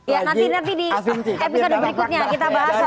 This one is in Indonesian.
ya nanti di episode berikutnya kita bahas soal